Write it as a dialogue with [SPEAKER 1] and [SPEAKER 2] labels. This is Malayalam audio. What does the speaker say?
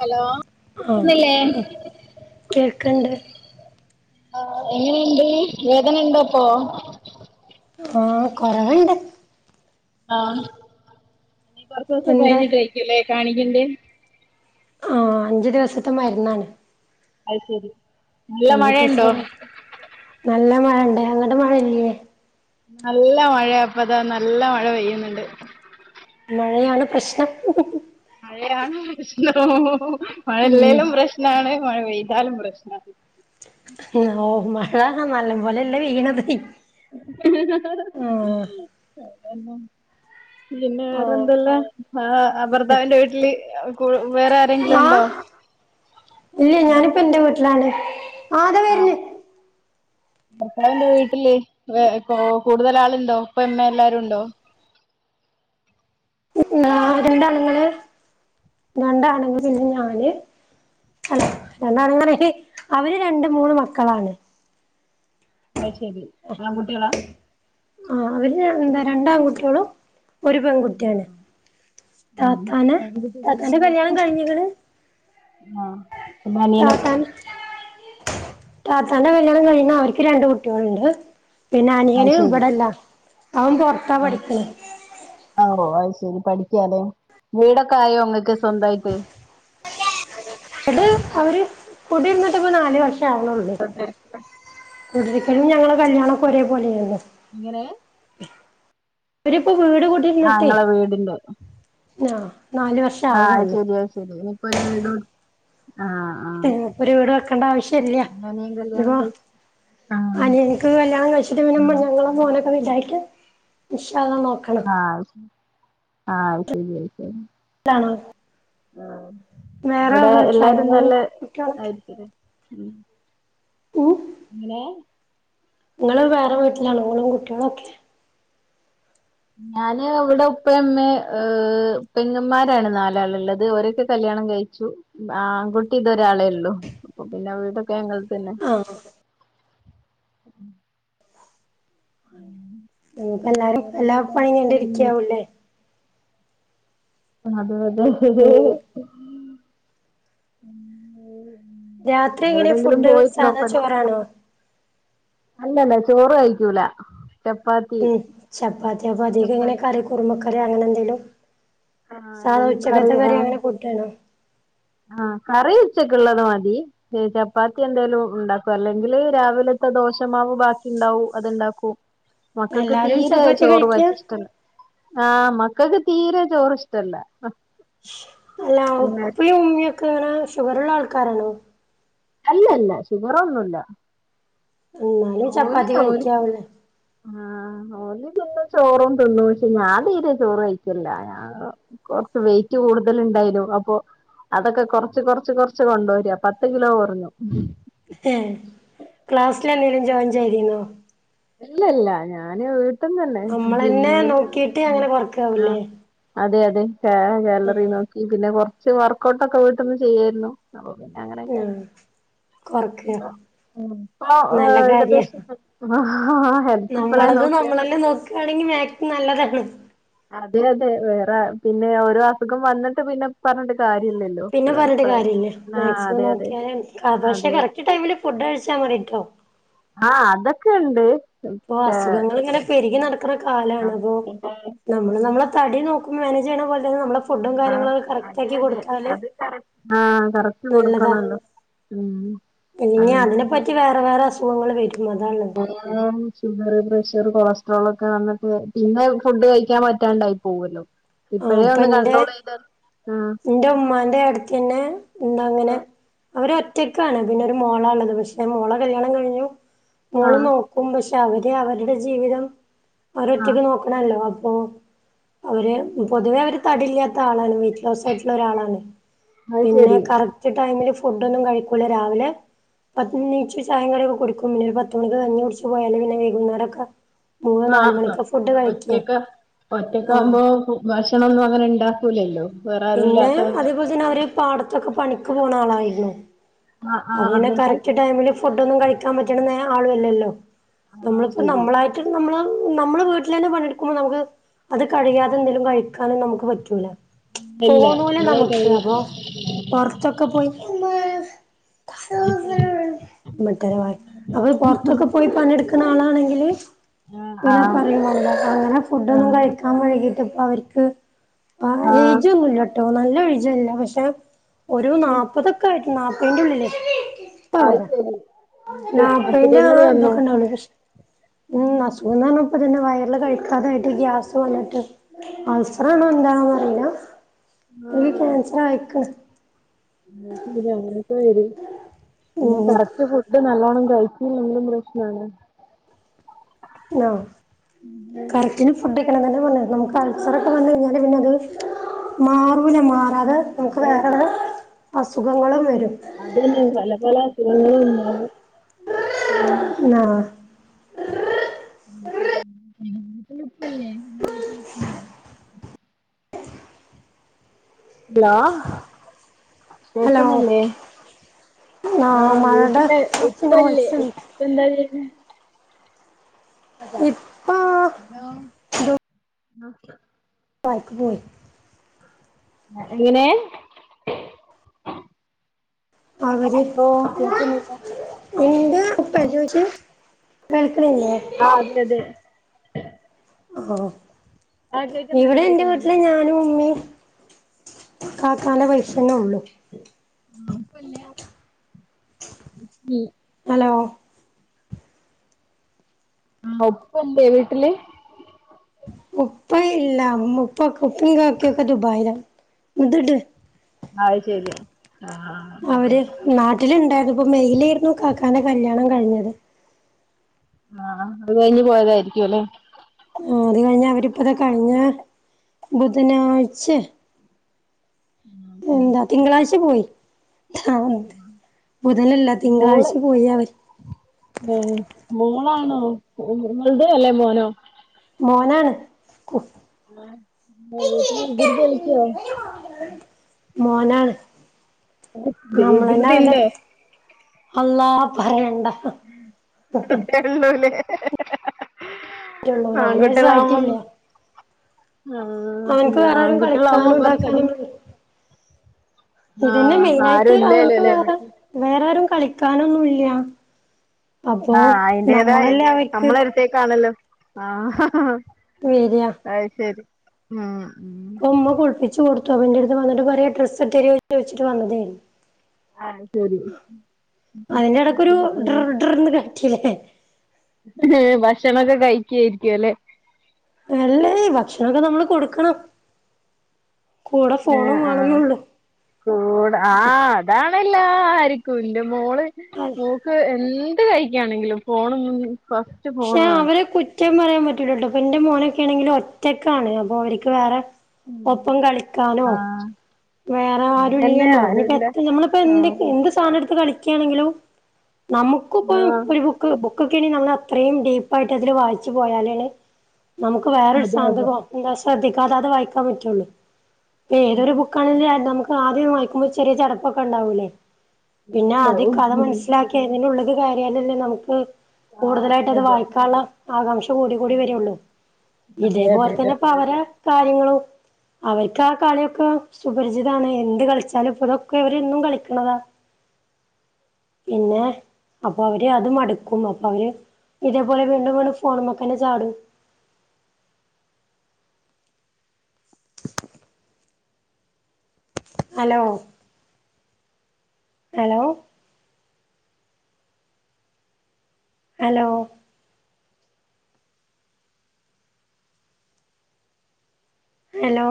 [SPEAKER 1] ഹലോ?
[SPEAKER 2] ആഹ്
[SPEAKER 1] കിടുനില്ലേ
[SPEAKER 2] ഏഹ് കേൾക്ക്ണ്ട്
[SPEAKER 1] ആ എങ്ങനെയുണ്ട് വേദന ഉണ്ടോ അപ്പൊ
[SPEAKER 2] ആ കൊറവുണ്ട്
[SPEAKER 1] ആഹ് കൊറച്ച് ദിവസം
[SPEAKER 2] എന്താ
[SPEAKER 1] കഴിഞ്ഞിട്ടയിക്കല്ലേ കാണിക്കണ്ടേ
[SPEAKER 2] ആ അഞ്ചു ദിവസത്തെ മരുന്നാണ്
[SPEAKER 1] അഹ് ശരി നല്ല
[SPEAKER 2] അഞ്ചു
[SPEAKER 1] മഴയുണ്ടോ
[SPEAKER 2] ദിവസം നല്ല മഴ ഉണ്ട് അങ്ങട്ട് മഴല്ലേേ
[SPEAKER 1] നല്ല മഴയ അപ്പതാ നല്ല മഴ പെയ്യുന്നുണ്ട്.
[SPEAKER 2] മഴയാണ് പ്രശ്നം
[SPEAKER 1] മഴയാണ് പ്രശ്നം മഴ
[SPEAKER 2] ഉം
[SPEAKER 1] ഇല്ലേലും പ്രശ്നാണ് മഴ പെയ്താലും പ്രശ്നാണ്.
[SPEAKER 2] ഓഹ് മഴ നല്ലം പോലെ അല്ല പെയ്യ്ണതെയ്
[SPEAKER 1] അത് എന്നെ പിന്നെ വെറെ
[SPEAKER 2] ആഹ്
[SPEAKER 1] എന്താ ഇള്ളെ ആഹ് അഹ് ഭർതാവിന്റെ വീട്ട്ൽ കൂ വേറെ ആരെങ്കിലും
[SPEAKER 2] ആഹ്
[SPEAKER 1] ഇണ്ടോ?
[SPEAKER 2] ഇല്ല ഞാൻ ഇപ്പം ഇന്റെ വീട്ട്ലാണ് ആഹ് ഇതാ
[SPEAKER 1] ആഹ് ഭർത്താവിന്റെ വീട്ട്ൽ വെ ഇപ്പോ കൂട്തെൽ ആൾ ഇണ്ടോ ഉപ്പെം ഉമ്മെം എല്ലാരും ഇണ്ടോ?
[SPEAKER 2] നാ രണ്ട് ആൺങ്ങെൾ രണ്ട് ആൺങ്ങെൾ പിന്നെ ഞാന് അല്ലാ എന്നാണ് ഇന്ന്ണ്ടെങ്കി അവെര് രണ്ട് മൂന്ന് മക്കളാണ്
[SPEAKER 1] അഹ് ശരി ആങ്കുട്ടിയാളാ
[SPEAKER 2] ആഹ് അവെര് രണ് എന്താ രണ്ട് ആങ്കുട്ടിയാളും ഒര് പെങ്കുട്ടിയാണ്
[SPEAKER 1] ആഹ്
[SPEAKER 2] താത്താനെ
[SPEAKER 1] പെൺകുട്ടി
[SPEAKER 2] താത്താന്റെ കല്യാണം കഴിഞ്ഞ്ക്ക്ണ്
[SPEAKER 1] ആഹ്
[SPEAKER 2] താത്താനെ താത്താന്റെ കല്യാണം കഴിണ അവർക്ക് രണ്ട് കുട്ടിയാൾ ഇണ്ട് പിന്നെ
[SPEAKER 1] അത്
[SPEAKER 2] അനിയെന്
[SPEAKER 1] ശരി
[SPEAKER 2] ഇവെടെ ഇല്ലാ അവൻ പൊർത്താ പഠിക്ക്ണെ
[SPEAKER 1] ആവോ അഹ് ശരി പഠിക്കാലെ വീടൊക്കെ ആയോ ഇങ്ങെക്ക് സ്വന്തയിറ്റ്
[SPEAKER 2] ഇത് അവര് കുടി ഇര്ന്ന്ട്ട് ഇപ്പോ നാല് വർഷം ആക്ണ് ഒള്ളെയ് കുടി ഇര്ക്കെലും ഞങ്ങളെ കല്യാണം ഒക്കെ ഒരേ പോലെയെര്ന്നു
[SPEAKER 1] എങ്ങനെ?
[SPEAKER 2] ഇവെര് ഇപ്പം വീട്
[SPEAKER 1] ആഹ്
[SPEAKER 2] കുടിര്ന്ന്ട്ടെയ്
[SPEAKER 1] ഇങ്ങളെ വീടിന്റെ
[SPEAKER 2] ആഹ് നാല് വർഷം
[SPEAKER 1] ആഹ് അഹ്
[SPEAKER 2] ആവണൊള്ളൂ
[SPEAKER 1] ശെരി ശെരി ഇനി ഇപ്പോ ഒര് വീടും ആഹ് ആഹ്
[SPEAKER 2] ഇനി ഇപ്പൊ ഒര് വീട് വെക്കണ്ട ആവ്ശ്യം ഇല്ല്യ
[SPEAKER 1] അനിയൻ
[SPEAKER 2] ഇഞ്ഞ്
[SPEAKER 1] കല്യാണം
[SPEAKER 2] ഇപ്പം
[SPEAKER 1] കഴിച്ചു
[SPEAKER 2] അനിയെൻക്ക് കല്യാണം കഴിച്ച്ട്ട് പിന്നെ ഇമ്മ ഞങ്ങളും മോനൊക്കെ വെൽതായിട്ട് ഇൻശാ അള്ളാഹ് നോക്കണം
[SPEAKER 1] ആഹ് അഹ് ശരി ആഹ് അഹ് ശരി അഹ് ശരി
[SPEAKER 2] ലാണോ?
[SPEAKER 1] ആഹ്
[SPEAKER 2] വേറെ
[SPEAKER 1] അയുടെ
[SPEAKER 2] വീട്ടിലാണോ
[SPEAKER 1] എല്ലാരും
[SPEAKER 2] ഓളും
[SPEAKER 1] നല്ലെ
[SPEAKER 2] കുട്ടികളൊക്കെ
[SPEAKER 1] ആയിരിക്കും ലെ
[SPEAKER 2] ഉം
[SPEAKER 1] എങ്ങനെ?
[SPEAKER 2] ഇങ്ങെൾ വേറെ വീട്ട്ലാണോ? ഇങ്ങെളും കുട്ടിയാളും ഒക്കെ?
[SPEAKER 1] ഞാന് ഇവ്ടെ ഉപ്പെം ഉമ്മേം ഏഹ്. പെങ്ങമാരാണ് നാലാൾ ഇള്ളെത് ഓരൊക്കെ കല്യാണം കഴിച്ചു. ആങ്കുകുട്ടി ഇത് ഒരാളെ ഒള്ളു അപ്പ പിന്നെ വീടൊക്കെ ഞങ്ങെൾക്കെന്നെ
[SPEAKER 2] ആഹ് ഇന്ന് ഇപ്പം എല്ലാരും എല്ലാ
[SPEAKER 1] വേറെന്തല്ലാ
[SPEAKER 2] പണിം കഴിഞ്ഞിട്ട്
[SPEAKER 1] ഉം
[SPEAKER 2] ഇരിക്കാവും ലെ
[SPEAKER 1] അതെ അതെ
[SPEAKER 2] ഉം രാത്രി
[SPEAKER 1] എവിടെ
[SPEAKER 2] എങ്ങനെ
[SPEAKER 1] എങ്കിലും
[SPEAKER 2] ഫുഡ്
[SPEAKER 1] പോയി ഇരുന്നോ
[SPEAKER 2] സാധാ
[SPEAKER 1] ഇപ്പ അട്ത്ത്
[SPEAKER 2] ചോറാണോ
[SPEAKER 1] അല്ല അല്ല ചോറ് കഴിക്കുലാ
[SPEAKER 2] ഈ ചപ്പാത്തി അപ്പ അതികം ഇങ്ങനെ
[SPEAKER 1] ചപ്പാത്തി
[SPEAKER 2] കറി കുറുമക്കറി അങ്ങനെ എന്തെലും
[SPEAKER 1] ആഹ്
[SPEAKER 2] സാധാ
[SPEAKER 1] എന്തെങ്കിലും
[SPEAKER 2] ഉച്ചക്കത്തെ കറി
[SPEAKER 1] ആഹ്
[SPEAKER 2] അങ്ങനെ കൂട്ടിയാണോ?
[SPEAKER 1] ആഹ് കറി ഉച്ചെക്ക് ഇള്ളെത് മതി ഹ് ചപ്പാത്തി എന്തെലും ഇണ്ടാക്കും അല്ലെങ്കി രാവിലത്തെ ദോശമാവ് ബാക്കി ഇണ്ടാവും അത് ഇണ്ടാക്കും മക്കക്ക്
[SPEAKER 2] എല്ലാരും
[SPEAKER 1] തീരെ
[SPEAKER 2] ചപ്പാത്തിയാ
[SPEAKER 1] ചോറ്
[SPEAKER 2] കഴിക്കാ
[SPEAKER 1] പറ്റ് ഇഷ്ട ഇല്ല ആഹ് മക്കക്ക് തീരെ ചോർ ഇഷ്ട ഇല്ല
[SPEAKER 2] അല്ല ഉപ്പിം ഉമ്മിം ഒക്കെ ഇങ്ങനെ ഷുഗെർ ഇള്ള ആൾക്കാരാണോ
[SPEAKER 1] അല്ല അല്ല ഷുഗെർ ഒന്നും ഇല്ല
[SPEAKER 2] ഇന്നാലും ചപ്പാത്തി
[SPEAKER 1] ഓല്
[SPEAKER 2] കഴിക്കാവുലെ?
[SPEAKER 1] ആഹ് ഓൽ പിന്നെ ചോറും തുന്നും പക്ഷെ ഞാൻ തീരെ ചോറ് വൈക്കെൽ ഇല്ലാ ആഹ് കൊർച്ച് വെയിറ്റ് കൂട്തെൽ ഇണ്ടായിനു അപ്പോ അതൊക്കെ കൊർച്ച് കൊർച്ച് കൊർച്ച് കൊണ്ടോരാ പത്ത് കിലോ കൊർഞ്ഞു
[SPEAKER 2] ഏ ക്ലാസ്സിലെല്ലും ജോയിൻ ചെയ്തിന്നോ
[SPEAKER 1] ഇല്ല ല്ല ഞാന് വീട്ട് ന്നന്നെ
[SPEAKER 2] നമ്മളന്നെ
[SPEAKER 1] ജിമ്മില്ള്ള
[SPEAKER 2] നോക്കിട്ട് അങ്ങനെ
[SPEAKER 1] ആഹ്
[SPEAKER 2] കൊറക്കാവൂല്ലേ
[SPEAKER 1] അതെ അതെട്ടെ ഗാലറി
[SPEAKER 2] ആഹ്
[SPEAKER 1] നോക്കി പിന്നെ കൊർ ച്ച് വർക്കഔട്ടൊ ക്കെ വീട്ടീന്ന് ചെയ്യായിർന്നു അപ്പൊ പിന്നെ അങ്ങനെക്കെ
[SPEAKER 2] ആഹ് കൊറക്ക
[SPEAKER 1] ഇപ്പൊ ഉം
[SPEAKER 2] നല്ല കാര്യ
[SPEAKER 1] ഏകദേശം കയ്യ്ഞ്ഞ്ക്ണോ ഹെൽ
[SPEAKER 2] നമ്മളത് നമ്മളെന്നെ നോക്കാ ണെങ്കിൽ മേക്സിമംനല്ലതാണ്
[SPEAKER 1] അതെ അതെ വേറെ പിന്നെ ഓരോ അസുഖം വന്നിട്ട് പിന്നെ പർഞ്ഞിട്ട് കാര്യല്ലല്ലോ
[SPEAKER 2] പിന്നെ പർഞ്ഞിട്ട്
[SPEAKER 1] ഇപ്പളെ
[SPEAKER 2] കാര്യല്ല
[SPEAKER 1] ആഹ്
[SPEAKER 2] മാക്സിമം
[SPEAKER 1] അതെ അതെ
[SPEAKER 2] നോക്കിയാല പക്ഷെ
[SPEAKER 1] അതെ അതെ
[SPEAKER 2] കറക്റ്റ് ടൈമില് ഫുഡ് കഴിച്ചാ മതിട്ടോ
[SPEAKER 1] ആഹ്അതൊക്കെണ്ട്
[SPEAKER 2] ഇപ്പൊ അസുഖങ്ങള് ഇങ്ങനെ പെരുകി നടക്ക്ണ
[SPEAKER 1] ആ,
[SPEAKER 2] കാലാണ് അപ്പൊ
[SPEAKER 1] പിന്നെ
[SPEAKER 2] നമ്മള് നമ്മളെ തടി നോക്കും. മാനേജ് ചെയ്യ്ണ പോലെ തന്നെ നമ്മളെ ഫുഡും
[SPEAKER 1] ആഹ്
[SPEAKER 2] കാര്യങ്ങളൊക്കെ കറക്റ്റ്
[SPEAKER 1] അതെ
[SPEAKER 2] ആക്കി കൊടുത്താല്
[SPEAKER 1] അതെ അത് കറക്റ്റ്
[SPEAKER 2] നല്ലതാ
[SPEAKER 1] കൊടുക്കണല്ലോ ഉം ഉം അല്ലങ്കിപ്പൊ
[SPEAKER 2] പറ്റി വേറെ വേറെ അസുഖങ്ങൾ വെരുന്നതാണ്
[SPEAKER 1] ആഹ് ഷുഗർ, പ്രഷർ, കൊളസ്ട്രോൾ ഒക്കെ വന്നിട്ട് പിന്നെ ഫുഡ് കഴിക്കാൻ പറ്റാണ്ടായി പോവൊല്ലോ
[SPEAKER 2] ആഹ്
[SPEAKER 1] ഇപ്പഴേ
[SPEAKER 2] ഇപ്പ
[SPEAKER 1] ഒന്ന്
[SPEAKER 2] ഇന്റെ
[SPEAKER 1] കണ്ട്രോളെയ്താൽ ആഹ്
[SPEAKER 2] ഇന്റെ ഉമ്മാന്റെ ഏട്ടത്തിയന്നെ എന്താ അങ്ങനെ അവരെ റ്റക്കാണ് പിന്നെ ഒരു മോള ഇള്ളത് പക്ഷെ മോളെ കല്യാണം കഴിഞ്ഞു മോള്
[SPEAKER 1] ആഹ്
[SPEAKER 2] നോക്ക് നോക്കും പക്ഷേ അവര് അവർടെ ജീവിതം
[SPEAKER 1] ആഹ്
[SPEAKER 2] അവരോറ്റക്ക് നോക്ക് ആണല്ലോ അപ്പോ അവര് പൊതുവെ അവര് തടില്ലാത്ത ആളാണ് വ വയസ്സായിട്ടുള്ള ഒരാളാണ്
[SPEAKER 1] അത്
[SPEAKER 2] പിന്നെ
[SPEAKER 1] ശരി
[SPEAKER 2] കറക്റ്റ് ടൈമില് ഫുഡ് ഒന്നും കഴിക്കൂല രാവിലെ അപ്പൊത് നീച് ചായിം കടിയൊക്കെ കുടിക്കും പിന്നെ ഒരു പത്ത് മണിക്ക് കഞ്ഞികുട്ച്ച് പോയാലേ പിന്നെ വൈകുന്നേരൊക്കെ മൂന്ന് നാല്
[SPEAKER 1] ആഹ് ആ
[SPEAKER 2] മണിക്കാ ഫുഡ് കഴിക്ക
[SPEAKER 1] ഒറ്റക്ക ഒറ്റക്ക
[SPEAKER 2] ആഹ്
[SPEAKER 1] ആവുമ്പോ ഭക്ഷണംഒന്നും അങ്ങനെ ഇണ്ടാക്കൂലല്ലോ വേറെ ആരും
[SPEAKER 2] പിന്നെ
[SPEAKER 1] ഇല്ലാത്തോണ്ട്
[SPEAKER 2] അതേപോലെ തന്നെ അവര് പാടത്തൊക്കെ പണിക്ക് പോണ ആ ളായിരുന്നു.
[SPEAKER 1] ആഹ്
[SPEAKER 2] അപ്പ
[SPEAKER 1] ആഹ്
[SPEAKER 2] പിന്നെ
[SPEAKER 1] എന്നിട്ട്
[SPEAKER 2] കറക്റ്റ് ടൈമില് ഫു ഫുഡൊന്നും കഴിക്കാൻ പറ്റ്ണ ആളും അല്ലല്ലോ.
[SPEAKER 1] ആഹ്
[SPEAKER 2] നമ്മള്പ്പോ
[SPEAKER 1] ശരി
[SPEAKER 2] നമ്മളായി ട്ട് നമ്മള് നമ്മളെ വീട്ടിലെന്നെ പണിട് ക്കുമ്പോ നമക്ക് അത് കഴിയാതെന്തെങ്കിലു കഴിക്കാനും നമുക്ക് പറ്റൂല
[SPEAKER 1] ഇല്ല
[SPEAKER 2] തോന്നൂല
[SPEAKER 1] ഇങ്ങള് കഴിയട്ടെ
[SPEAKER 2] നമുക്ക് അപ്പൊ പൊർത്തൊക്കെ പോയ്
[SPEAKER 1] അത് ശരി
[SPEAKER 2] അപ്പൊ പൊർത്തൊക്കെ പോയി പണിയെട്ക്കുന്ന ആളാണെങ്കില്
[SPEAKER 1] ആഹ്
[SPEAKER 2] പിന്നെ
[SPEAKER 1] ആഹ്
[SPEAKER 2] പറയും വാണ്ട അങ്ങനെ ഫുഡൊന്നും
[SPEAKER 1] ആഹ്
[SPEAKER 2] കഴിക്കാൻ വഴ്കീട്ട് ഇപ്പഅവർക്ക് ആഹ് ഏയ്ജൊന്നുല്ല ട്ടോ നല്ല എയ് ജ് ല്ല പക്ഷെ ഒരു നാപതൊക്കായിട്ട് ന്നാപ്പയ് ന്റെ ഉള്ളില് ഇപ്പ
[SPEAKER 1] അത്
[SPEAKER 2] വരാ
[SPEAKER 1] ശരി
[SPEAKER 2] നാപ്പയിന്റെ
[SPEAKER 1] അസുഖങ്ങള് വന്നോ
[SPEAKER 2] ഇതൊക്ക ണ്ടാവുളളു ഉം അസുഖന്നറഞ്ഞപ്പതിന്റെ വയറിൽ കഴിക്കാതായിട്ട് ഗ്യാസ് വന്ന്ട്ട് അൾസറാണോ എന്താ ഒന്നുഅറീല ഇയ്യ് ക്യാൻസർ അയ്ക്ക്ണ്
[SPEAKER 1] വെയ്റ്റ് ഇല്ലെങ്കിലും അങ്ങനൊക്കെ വെരെ പിന്നെ
[SPEAKER 2] ഉം
[SPEAKER 1] കറക്റ്റ് ഫുഡ് നല്ലോണം കഴി [unintelligible] പ്രശ്‌നാണ്
[SPEAKER 2] ആഹ് കറക്റ്റിന് ഫുഡ്യ്ക്കണം തന്നെ പർഞ്ഞ നമുക്ക് അൾസൊറൊക്കെ വന്ന് കയ്ഞ്ഞാല് പിന്നെ അത് മാറൂല മാറാതെ നമുക്ക്
[SPEAKER 1] അതെ
[SPEAKER 2] വേറെ
[SPEAKER 1] അതെ
[SPEAKER 2] അസുഖങ്ങളും വരും
[SPEAKER 1] അതന്നെ പല പല അസുഖങ്ങളും ഇണ്ടാവും. ഉം
[SPEAKER 2] ആഹ്
[SPEAKER 1] എല്ലാത്തിലും ഉപ്പ് ല്ലേ [unintelligible] ഹലോ
[SPEAKER 2] ഹലോ
[SPEAKER 1] കേക്കുന്നില്ലേ
[SPEAKER 2] ആ
[SPEAKER 1] ആഹ്
[SPEAKER 2] മഴയുടെ
[SPEAKER 1] വീട്ടിലെ
[SPEAKER 2] കുറച്ച്
[SPEAKER 1] ഇപ്പല്ലേ
[SPEAKER 2] നോയ്സ്
[SPEAKER 1] ഇ
[SPEAKER 2] ഉണ്ട്
[SPEAKER 1] [unintelligible]
[SPEAKER 2] അതാ ഇപ്
[SPEAKER 1] ഹലോ ആഹ്
[SPEAKER 2] പക്ക്പയി [unintelligible]
[SPEAKER 1] എ എങ്ങനെ
[SPEAKER 2] ആവര്
[SPEAKER 1] ഹലോ കേക്കുന്നില്ല
[SPEAKER 2] ഇന്റെ ഉപ്പെ ചോയിച്ചെ കേൾക്കണില്ലേ
[SPEAKER 1] ആ അതെ അതെ
[SPEAKER 2] ഓ
[SPEAKER 1] ആഹ് കേക്കുന്നുണ്ട്
[SPEAKER 2] ഇവിടെ എറെ
[SPEAKER 1] കേക്കുന്നുണ്ട്
[SPEAKER 2] വീട്ടില് ഞാനും ഉമ്മയും കാക്കാൻ്റെ പൈസന്നേ ഉള്ളു
[SPEAKER 1] ഉ
[SPEAKER 2] ഹലോ
[SPEAKER 1] ആഹ ഉപ്പല്ലേ വീട്ടില്
[SPEAKER 2] ഉപ്പ ഇല്ല ഉപ്പ ഒപ്പനികക്കക്ക ദ ബായി ദുഡ [unintelligible]
[SPEAKER 1] അയ്ശരിയാ ആഹ
[SPEAKER 2] അവര് നാട്ടിലുണ്ടായിരുന്നു ഇപ്പോ മെയിലായിരുന്നു കാക്കാൻ്റെ കല്യാണം കഴിഞ്ഞത്
[SPEAKER 1] ആഹ അത് കഴിഞ്ഞ് പോയതായിരിക്കുലെ
[SPEAKER 2] ആ അത് കഴിഞ്ഞ അവരിപ്പത കഴിഞ്ഞ ബുധനാഴ്ച്ചെ എന്താ തിങ്കളാഴ്ച പോയി ഹ ബുധനല്ല തിങ്കളാഴ്ച പോയി അവര്
[SPEAKER 1] എ മോളാണോ ഇങ്ങൾത് അല്ലെ മോനോ
[SPEAKER 2] മോനാണ്
[SPEAKER 1] ആ ഇ ദുർബലക്കോ [unintelligible]
[SPEAKER 2] മോനാണ് നമ്മളന്നെ
[SPEAKER 1] വികൃതി
[SPEAKER 2] അവൻ്റെ
[SPEAKER 1] ഉണ്ടോ
[SPEAKER 2] അള്ളാ പറയണ്ട
[SPEAKER 1] ല്ല
[SPEAKER 2] റ്റുള്ളൂ
[SPEAKER 1] [unintelligible]
[SPEAKER 2] നാല് വയസ്സായിട്ടില്ല
[SPEAKER 1] ആൺകുട്ടികളാവുമ്പോ ആഹ
[SPEAKER 2] അവൻക്ക്
[SPEAKER 1] പില്ല
[SPEAKER 2] വേറാരും കളിക്കാനും
[SPEAKER 1] ആകുട്ടിയുള്ളാവച്ചതി
[SPEAKER 2] ഇതാക്കാനും ഇതന്നെ മെയിനായിട്ട്
[SPEAKER 1] ആരും
[SPEAKER 2] അവൻക്ക്
[SPEAKER 1] ഇല്ലേലല്ലേ
[SPEAKER 2] വേറെ
[SPEAKER 1] വീട്ടില്
[SPEAKER 2] വേറാരും കളിക്കാനൊന്നുല്ല അപ്പോ നമ്മളല്ലേ അവയ്ക്ക്
[SPEAKER 1] തേക്കാണല്ലോ ആഹ ഹഹ
[SPEAKER 2] വേരിയാ
[SPEAKER 1] അയ്ശരി ഉം ഉ
[SPEAKER 2] ഉമ്മ കുളപ്പിച്ച് കൊടുത്തു അപ്പന്റെടുത്ത് വന്നിട്ട് പറയാ ഡ്രസ്ട്ടൊരു ചോച്ചിട്ട് വന്നതായിരുന്നു
[SPEAKER 1] ആഹ് ശരി
[SPEAKER 2] അതിന്റെ ഇടക്കൊരു ഡർ ഡർന്ന് കാരച്ചിലെ
[SPEAKER 1] ഹ് ഭക്ഷണംക്കെ കഴി നായിരിക്കുലെ
[SPEAKER 2] അല്ലേ ഭക്ഷണൊക്കെ നമ്മള് കൊടുക്കണം കൂടെ
[SPEAKER 1] ആ
[SPEAKER 2] ഫോണും
[SPEAKER 1] ആഹ
[SPEAKER 2] വേണംന്നൊള്ളു
[SPEAKER 1] കൂട ആ അതാണല്ലാരി ന്റെ മോള്
[SPEAKER 2] അതെ
[SPEAKER 1] മോക്ക് എന്ത് കഴിക്കാണെങ്കിലും ഫോണന്നും
[SPEAKER 2] പക്ഷെ അവരെ കുറ്റം പറയാൻ പറ്റൂല കേട്ടോ അപ്പൊ എന്റെ മോനൊക്കെ ആണെങ്കിൽ ഒറ്റക്കാണ് അപ്പൊ അവർക്ക് വേറെ ഒപ്പം കളിക്കാനോ
[SPEAKER 1] ആഹ്
[SPEAKER 2] വേറെ ആരും
[SPEAKER 1] അതന്നെ
[SPEAKER 2] ഇല്ലല്ലോ നിപ്പോ
[SPEAKER 1] ആരുല്ല
[SPEAKER 2] എത്ര നമ്മളിപ്പോ എന്ത്
[SPEAKER 1] ആഹ്
[SPEAKER 2] എന്ത് സാനംടുത്ത് കളിക്കാണെങ്കിലും നമുക്കുപ്പെ
[SPEAKER 1] ആഹ്
[SPEAKER 2] ഒരു ബുക്ക് ബുക്കൊക്കെ ആണെ നമ്മൾ അത്രയും ഡീപ്പായിട്ട് അതില് വായിച്ചു പോയാലാണ് നമുക്ക് വേറൊരു
[SPEAKER 1] അതെ അതെ
[SPEAKER 2] സാന്തം ശ്രദ്ധിക്കാതെ അത് വായിക്കാൻ പറ്റുള്ളൂ ഏതൊരു നമ ആദ്യം വായിക്കുമ്പോ ചെറിയ ചടപ്പൊക്കെ ഉണ്ടാവൂലേ പിന്നെ
[SPEAKER 1] ഉണ്ടാവും.
[SPEAKER 2] അത്ഥ മനസിലാക്കി [unintelligible] എങ്ങനെയുള്ളത് കാര്യാലല്ലേ നമുക്ക് [unintelligible]
[SPEAKER 1] ആ,
[SPEAKER 2] കൂടുതലായിട്ട്
[SPEAKER 1] അതെ
[SPEAKER 2] അത് വായിക്കാള്ള ആകാംക്ഷ കൂടി കൂടി വരുള്ളൂ
[SPEAKER 1] അതെ അതെ
[SPEAKER 2] ഇതേപോലെ
[SPEAKER 1] അതെ
[SPEAKER 2] തന്നെ ഇപ്പ അവരെ കാര്യങ്ങളും അവർക്ക് ആ കളിയൊക്കെ സുപരിചിതാണ് എന്ത് കളിച്ചാലും ഇതൊക്കെ അവരെന്നു കളിക്കണതാ പിന്നെ അപ്പൊ അവര് അത് മടുക്കും അപ്പൊ അവര് ഇതേപോലെ വീണ്ടും വീണ്ടും ഫോണുമ്മേ തന്നേ ചാടും. Hello, hello, hello hello